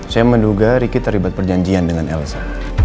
saya menduga riki terlibat perjanjian dengan elsa